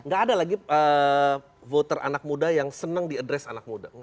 gak ada lagi voter anak muda yang senang diadres anak muda